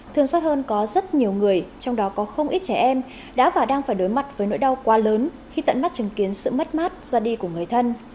thường xót hơn có rất nhiều người trong đó có không ít trẻ em đã và đang phải đối mặt với nỗi đau quá lớn khi tận mắt chứng kiến sự mất mát ra đi của người thân